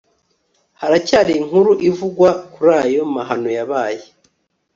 Haracyari inkuru ivugwa kurayo mahano yabaye